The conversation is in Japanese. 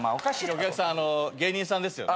お客さん芸人さんですよね？